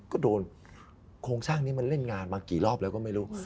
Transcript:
ก็โดนโครงสร้างนี้มันเล่นงานมากี่รอบแล้วก็ไม่รู้